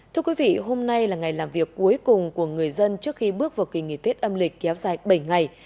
thưa quý vị hôm nay là ngày làm việc cuối cùng của người dân trước khi bước vào kỳ nghỉ tết âm lịch kéo dài bảy ngày